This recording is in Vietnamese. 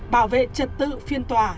bảo vệ trật tự phiên tòa